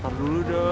tar dulu dong